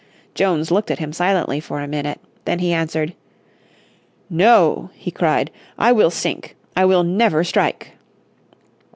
Jones looked at him silently for a minute. The he answered: "No," he cried, "I will sink. I will never strike."